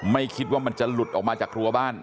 ไม่คิดว่ามันจะหลุดออกมาจากครัวบ้าน